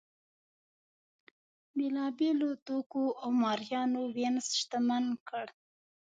بېلابېلو توکو او مریانو وینز شتمن کړ.